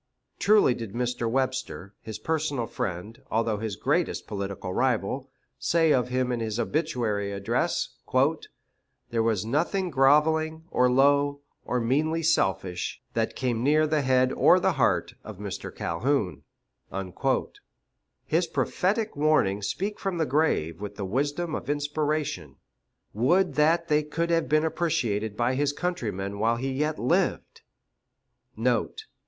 Truly did Mr. Webster his personal friend, although his greatest political rival say of him in his obituary address, "There was nothing groveling, or low, or meanly selfish, that came near the head or the heart of Mr. Calhoun." His prophetic warnings speak from the grave with the wisdom of inspiration. Would that they could have been appreciated by his countrymen while he yet lived! Note.